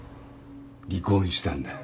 離婚したんだ。